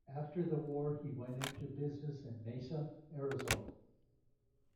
After the war, he went into business in Mesa, Arizona.